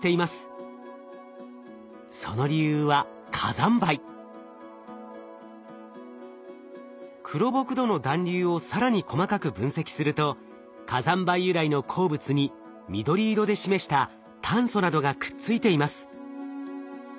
その理由は黒ボク土の団粒を更に細かく分析すると火山灰由来の鉱物に緑色で示した炭素などがくっついています。